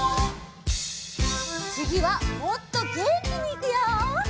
つぎはもっとげんきにいくよ！